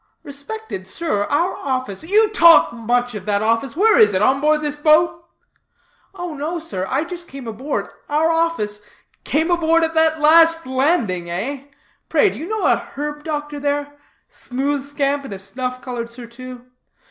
"Respected sir, our office " "You talk much of that office. Where is it? On board this boat?" "Oh no, sir, I just came aboard. Our office " "Came aboard at that last landing, eh? Pray, do you know a herb doctor there? Smooth scamp in a snuff colored surtout?"